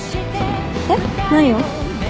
えっ？何を？